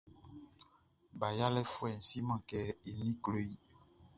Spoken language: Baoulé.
Ba yalɛfuɛʼn siman kɛ i ninʼn klo i.